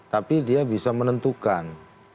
tapi dia bisa menentukan